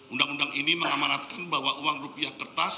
undang undang ini mengamanatkan bahwa uang rupiah kertas